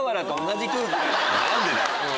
何でだよ！